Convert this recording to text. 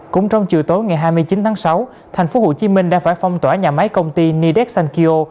cũng trong chiều tối ngày hai mươi chín tháng sáu thành phố hồ chí minh đã phải phong tỏa nhà máy công ty nidex sankeo